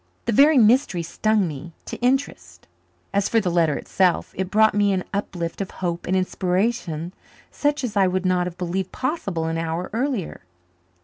The very mystery stung me to interest. As for the letter itself, it brought me an uplift of hope and inspiration such as I would not have believed possible an hour earlier.